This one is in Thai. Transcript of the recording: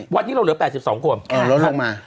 วันนี้เราเหลือ๘๒คนลดลงมา